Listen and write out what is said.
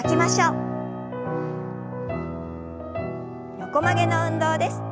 横曲げの運動です。